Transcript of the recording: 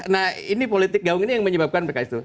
nah ini politik gaung ini yang menyebabkan pks itu